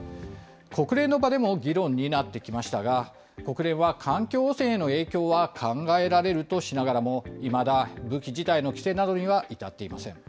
国連の場でも議論になってきましたが、国連は環境汚染への影響は考えられるとしながらも、いまだ武器自体の規制などには至っていません。